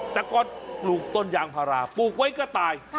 แต่ก่อนปลูกต้นยางพาราปลูกไว้ก็ตาย